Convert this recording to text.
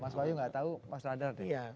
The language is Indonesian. mas roy gak tahu mas radar deh